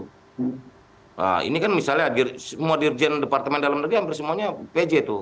nah ini kan misalnya semua dirjen departemen dalam negeri hampir semuanya pj tuh